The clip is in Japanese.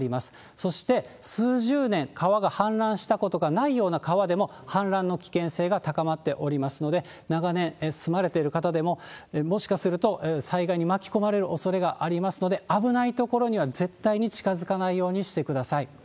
そして、数十年、川が氾濫したことがないような川でも氾濫の危険性が高まっておりますので、長年住まれている方でも、もしかすると災害に巻き込まれるおそれがありますので、危ない所には絶対に近づかないようにしてください。